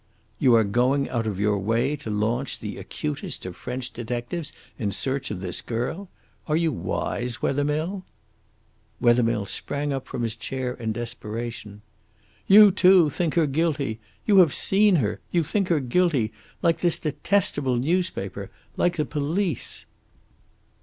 "You are going out of your way to launch the acutest of French detectives in search of this girl. Are you wise, Wethermill?" Wethermill sprang up from his chair in desperation. "You, too, think her guilty! You have seen her. You think her guilty like this detestable newspaper, like the police."